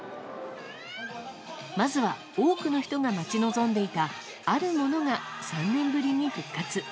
まずは多くの人が待ち望んでいたあるものが３年ぶりに復活。